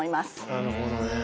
なるほどね。